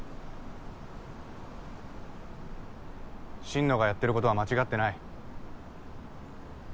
心野がやってることは間違ってない。